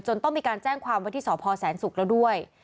ต้องมีการแจ้งความว่าที่สพแสนศุกร์แล้วด้วย